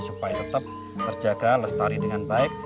supaya tetap terjaga lestari dengan baik